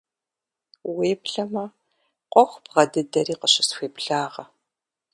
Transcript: Уеблэмэ, къохъу бгъэ дыдэри къыщысхуеблагъэ.